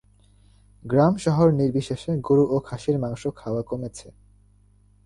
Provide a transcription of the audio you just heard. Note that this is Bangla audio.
গ্রাম শহরনির্বিশেষে গরু ও খাসির মাংস খাওয়া কমেছে।